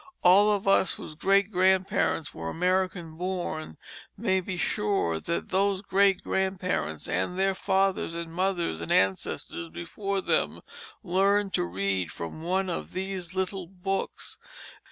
All of us whose great grandparents were American born may be sure that those great grandparents, and their fathers and mothers and ancestors before them learned to read from one of these little books.